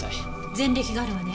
前歴があるわね。